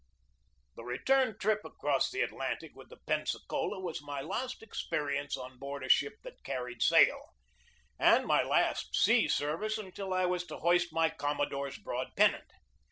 The return trip across the Atlantic with the Pen sacola was my last experience on board a ship that carried sail, and my last sea service until I was to hoist my commodore's broad pennant.